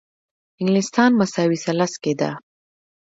انګلستان مساوي ثلث کې ده.